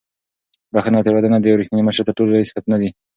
بښنه او تېرېدنه د یو رښتیني مشر تر ټولو لوی صفتونه دي.